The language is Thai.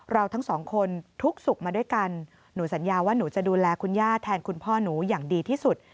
เราทั้งสองคนทุกข์สุขมาด้วยกันหนูสัญญาว่าหนูจะดูแลคุณย่าแทนคุณพ่อหนูอย่างดีที่สุด